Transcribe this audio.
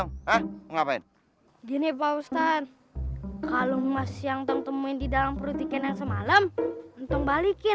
mau ngapain nih pak ustadz kalau masih yang temuin di dalam perut ikan yang semalam balikin